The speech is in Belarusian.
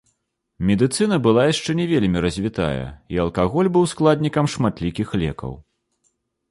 Медыцына была яшчэ не вельмі развітая, і алкаголь быў складнікам шматлікіх лекаў.